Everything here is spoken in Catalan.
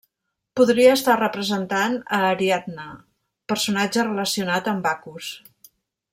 Podria estar representant a Ariadna, personatge relacionat amb Bacus.